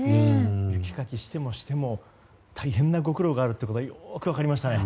雪かきをしても、しても大変なご苦労があるってことがよく分かりましたね。